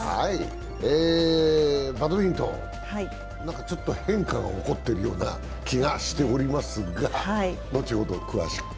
バドミントン、なんかちょっと変化が起こっているような気がしておりますが、後ほど詳しく。